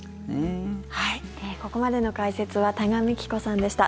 ここまでの解説は多賀幹子さんでした。